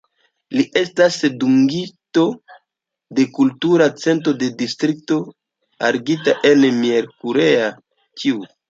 Li estas dungito de Kultura Centro de Distrikto Harghita en Miercurea Ciuc.